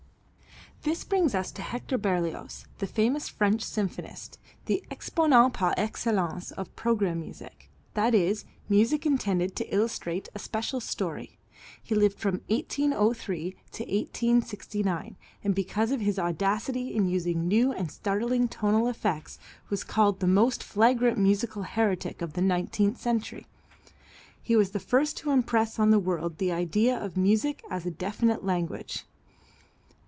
This brings us to Hector Berlioz, the famous French symphonist, the exponent par excellence of programme music, that is, music intended to illustrate a special story. He lived from 1803 to 1869, and because of his audacity in using new and startling tonal effects was called the most flagrant musical heretic of the nineteenth century. He was the first to impress on the world the idea of music as a definite language.